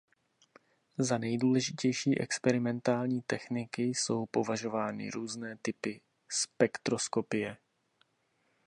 Za nejdůležitější experimentální techniky jsou považovány různé typy spektroskopie.